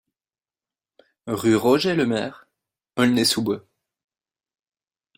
Rue Roger Lemaire, Aulnay-sous-Bois